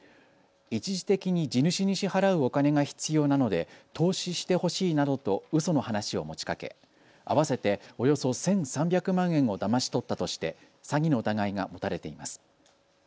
一時的に地主に支払うお金が必要なので投資してほしいなどとうその話を持ちかけ合わせておよそ１３００万円をだまし取ったとして詐欺の疑いが持たれています。